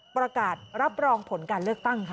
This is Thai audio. ประกาศรับรองผลการเลือกตั้งค่ะ